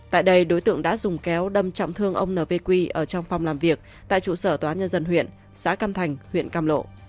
tại đây đối tượng đã dùng kéo đâm trọng thương ông nv quy ở trong phòng làm việc tại trụ sở tòa nhân dân huyện xã cam thành huyện cam lộ